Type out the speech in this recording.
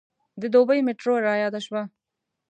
د دوبۍ میټرو رایاده شوه.